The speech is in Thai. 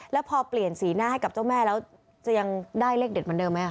แล้วพอเปลี่ยนสีหน้าให้กับเจ้าแม่แล้วจะยังได้เลขเด็ดเหมือนเดิมไหมค